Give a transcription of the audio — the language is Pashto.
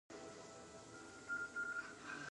پیج دره ولې تنګه ده؟